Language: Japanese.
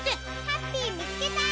ハッピーみつけた！